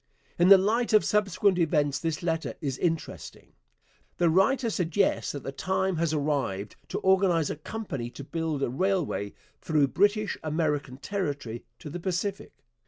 In the light of subsequent events this letter is interesting. The writer suggests that the time has arrived to organize a company to build a railway 'through British American territory to the Pacific.'